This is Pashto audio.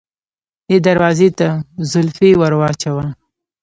دې دروازې ته زولفی ور واچوه.